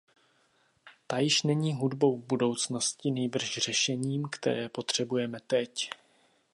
Ta již není hudbou budoucnosti, nýbrž řešením, které potřebujeme teď.